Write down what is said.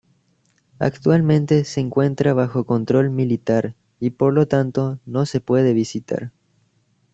Actualmente se encuentra bajo control militar y por lo tanto no se puede visitar.